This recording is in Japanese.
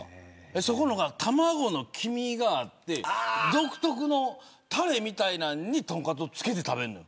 そこは卵の黄身があって独特のたれみたいなのにとんかつを漬けて食べるのよ。